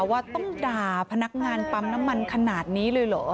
ว่าต้องด่าพนักงานปั๊มน้ำมันขนาดนี้เลยเหรอ